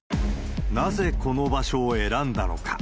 なぜこの場所を選んだのか。